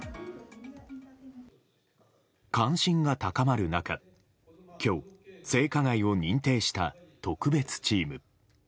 関心が高まる中、今日性加害を認定した特別チーム。